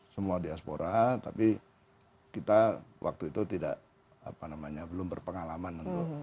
semua diaspora tapi kita waktu itu belum berpengalaman